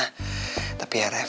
buat nyarinya bareng aku